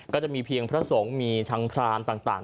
ก็จะมีเพียงพระสงฆ์มีทางพรามต่าง